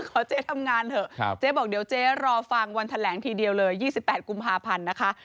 เจ๊ทำงานเถอะเจ๊บอกเดี๋ยวเจ๊รอฟังวันแถลงทีเดียวเลย๒๘กุมภาพันธ์นะคะ